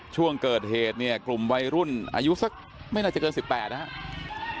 ช่วงเกิดเหตุเนี้ยกลุ่มวัยรุ่นอายุสักไม่นาวจะเกินสิบแปดนะฮะ